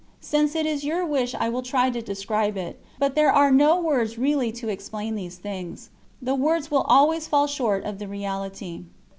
Since it is your wish I will try to describe it, but there are no words really to explain these things. The words will always fall short of the reality.